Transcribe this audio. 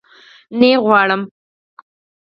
نه يي غواړم